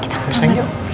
kita ke taman yuk